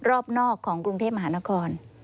รอบนอกของกรุงเทพมหานคร